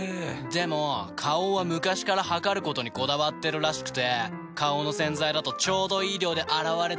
でも花王は昔から量ることにこだわってるらしくて花王の洗剤だとちょうどいい量で洗われてるなって。